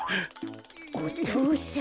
お父さん。